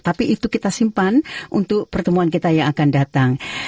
tapi itu kita simpan untuk pertemuan kita yang akan datang